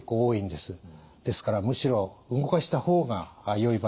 ですからむしろ動かした方がよい場合があります。